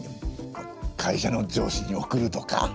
会社の上司に贈るとか？